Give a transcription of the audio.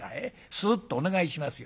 すっとお願いしますよ」。